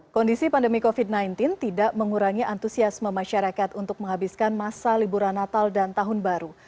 kondisi pandemi covid sembilan belas tidak mengurangi antusiasme masyarakat untuk menghabiskan masa liburan natal dan tahun baru